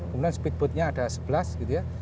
kemudian speedboatnya ada sebelas gitu ya